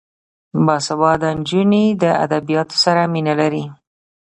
باسواده نجونې د ادبیاتو سره مینه لري.